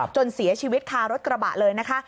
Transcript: จนเสียชีวิตคารถกระบะเลยนะคะ